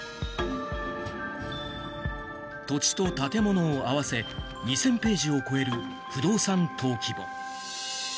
土地と建物を合わせ２０００ページを超える不動産登記簿。